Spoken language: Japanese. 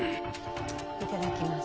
いただきます。